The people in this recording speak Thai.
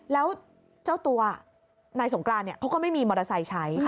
แล้วเจ้าตัวนายสงกรานเขาก็ไม่มีมอเตอร์ไซค์ใช้